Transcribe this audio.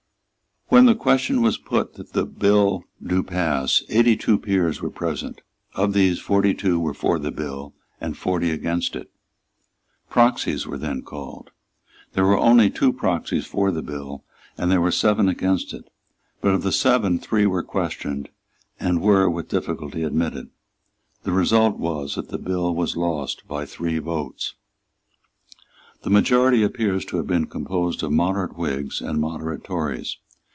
When the question was put that the bill do pass, eighty two peers were present. Of these forty two were for the bill, and forty against it. Proxies were then called. There were only two proxies for the bill; there were seven against it; but of the seven three were questioned, and were with difficulty admitted. The result was that the bill was lost by three votes. The majority appears to have been composed of moderate Whigs and moderate Tories.